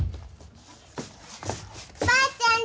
おばあちゃん